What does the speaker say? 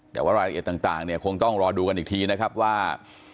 แต่ว่ารายละเอียดต่างเนี่ยคงต้องรอดูกันอีกทีนะครับว่า